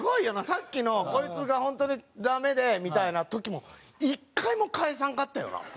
さっきの「こいつが本当にダメで」みたいな時も１回も返さんかったよな！